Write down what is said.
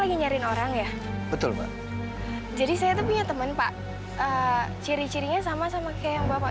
nyinyirin orang ya betul pak jadi saya tuh punya teman pak ciri cirinya sama sama kayak yang bapak